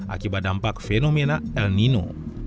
akibat dampak fenomena el nino